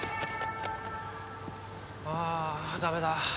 ああダメだ。